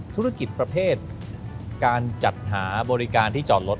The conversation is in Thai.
ธุรกิจประเภทการจัดหาบริการที่จอดรถ